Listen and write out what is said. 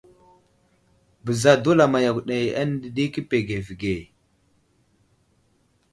Bəza dulama yakw ɗi ane di kə pege avige.